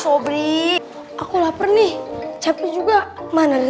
keren udah ketiket oh udah makan